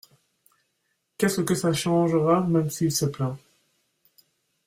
Qu’est ce que ça changera même s’il se plaint.